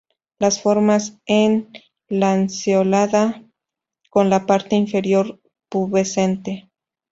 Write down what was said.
La forma es lanceolada con la parte inferior pubescente.